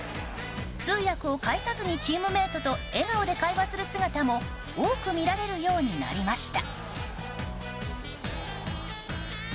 通訳を介さずにチームメートと笑顔で会話する姿も多く見られるようになりました。